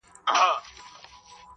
ماته چې رامخ شې غرڅنی خو شه